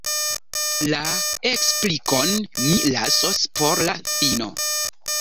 La eksplikon… mi lasos por la fino.